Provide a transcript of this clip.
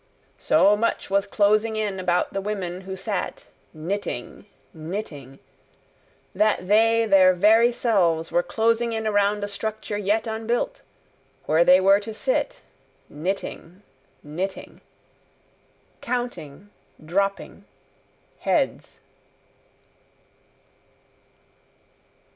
So much was closing in about the women who sat knitting, knitting, that they their very selves were closing in around a structure yet unbuilt, where they were to sit knitting, knitting, counting dropping heads.